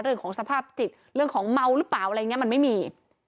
เรื่องของสภาพจิตเรื่องของเมาหรือเปล่าอะไรอย่างนี้มันไม่มี